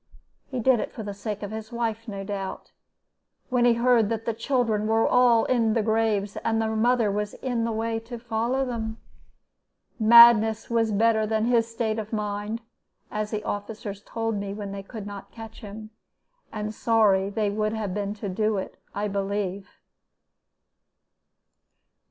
He did it for the sake of his wife, no doubt. When he heard that the children were all in their graves, and their mother in the way to follow them, madness was better than his state of mind, as the officers told me when they could not catch him and sorry they would have been to do it, I believe.